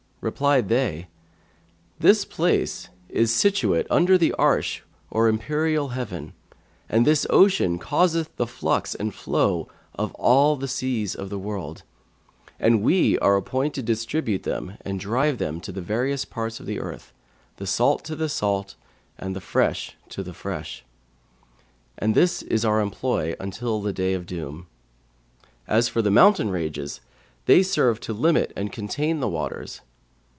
Replied they, 'This place is situate under the Arsh or empyreal heaven; and this Ocean causeth the flux and flow of all the seas of the world; and we are appointed to distribute them and drive them to the various parts of the earth, the salt to the salt and the fresh to the fresh,[FN#534] and this is our employ until the Day of Doom. As for the mountain ranges they serve to limit and to contain the waters.